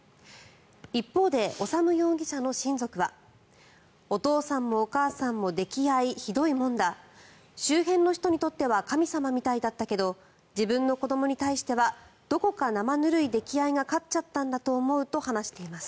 一方で修容疑者の親族はお父さんもお母さんも溺愛ひどいもんだ周辺の人にとっては神様みたいだったけど自分の子どもに対してはどこか生ぬるい溺愛が勝っちゃったんだと思うと話しています。